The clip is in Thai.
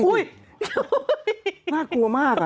หน้ากลัวมาก